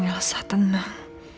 tidak elsa tenang